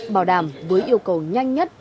bảo đảm với yêu cầu nhanh nhất